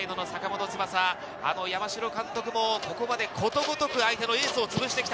山城監督もここまで、ことごとく相手のエースをつぶしてきた。